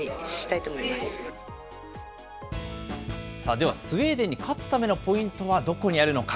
では、スウェーデンに勝つためのポイントはどこにあるのか。